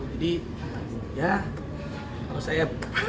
jadi ya kalau saya